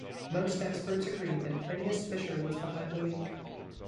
Most experts agree that Phineas Fisher was behind the leak.